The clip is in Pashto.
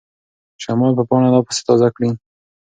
شمال به پاڼه لا پسې تازه کړي.